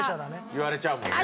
言われちゃうもんね。